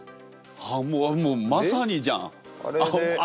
あっもうまさにじゃん！